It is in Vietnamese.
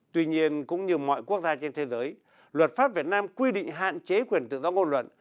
tuy nhiên cũng như mọi quốc gia trên thế giới luật pháp việt nam quy định hạn chế quyền tự do ngôn luận